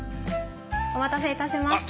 お待たせいたしました。